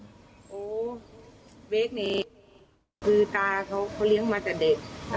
โอ้เบ็กนี่